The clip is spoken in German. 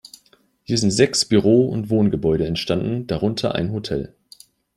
Hier sind sechs Büro- und Wohngebäude entstanden, darunter ein Hotel.